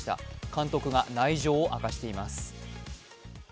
監督が内情を明かしています。